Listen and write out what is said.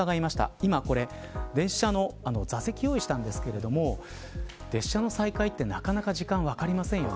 今これ列車の座席を用意したんですけれども列車の再開は、なかなか時間が分かりませんよね。